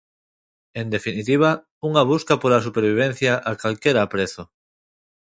En definitiva, unha busca pola supervivencia a calquera prezo.